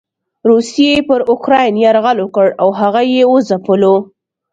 روسيې پر اوکراين يرغل وکړ او هغه یې وځپلو.